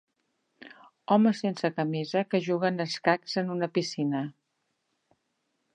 Homes sense camisa que juguen a escacs en una piscina.